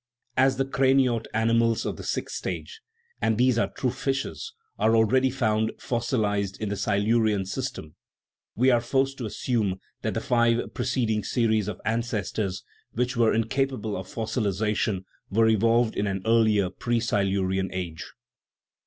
As the craniote animals of the sixth stage and these are true fishes are already found fossilized in the Silurian system, we are forced to assume that the five preceding series of ancestors (which were incapable of fossilization) were evolved in an ear lier, pre Silurian age.